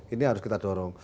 ini harus kita dorong